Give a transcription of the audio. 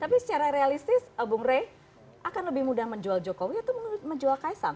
tapi secara realistis bung rey akan lebih mudah menjual jokowi atau menjual kaisang